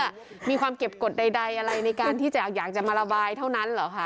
มีความเก็บกฎใดอะไรในการที่จะอยากจะมาระบายเท่านั้นเหรอคะ